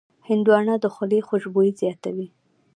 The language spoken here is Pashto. هندوانه د خولې خوشبويي زیاتوي.